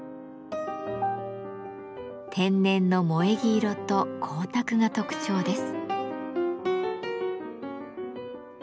天然の萌黄色と光沢が特徴です。